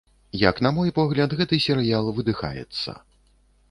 Як на мой погляд, гэты серыял выдыхаецца.